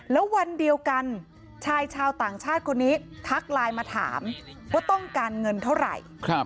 แล้ววันเดียวกันชายชาวต่างชาติคนนี้ทักไลน์มาถามว่าต้องการเงินเท่าไหร่